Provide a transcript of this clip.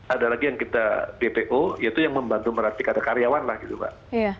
ada lagi yang kita dpo yaitu yang membantu merapikan karyawan lah gitu mbak